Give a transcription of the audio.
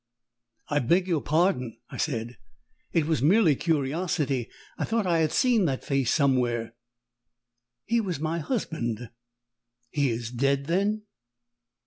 "I beg your pardon," I said; "it was merely curiosity. I thought I had seen the face somewhere." "He was my husband." "He is dead, then?"